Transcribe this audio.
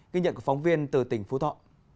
kinh nhận của phóng viên từ tỉnh phú thọ